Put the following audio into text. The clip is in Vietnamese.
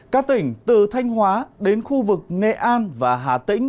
các tỉnh từ thanh hóa đến khu vực nghệ an và hà tĩnh